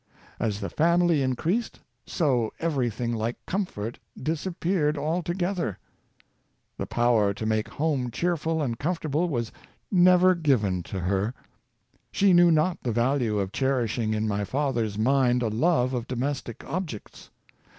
As the family increased, so everything like comfort disap peared altogether. The power to make home cheerful and comfortable was never given to her. She knew Insi7'uction of Women, 57 not the value of cherishing in my father's mind a love of domestic objects.